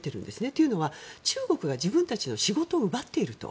というのは、中国が自分たちの仕事を奪っていると。